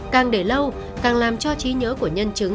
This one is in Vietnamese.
càng để lâu càng làm cho trí nhớ của nhân chứng